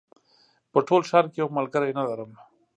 په ټول ښار کې یو ملګری نه لرم